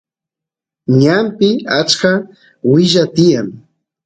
ñanpi achka willa tiyan